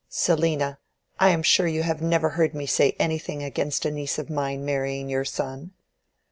"Selina, I am sure you have never heard me say anything against a niece of mine marrying your son."